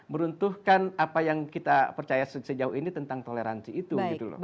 meruntuhkan apa yang kita percaya sejauh ini tentang toleransi itu gitu loh